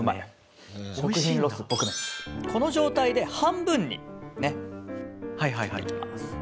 この状態で半分にね切っていきます。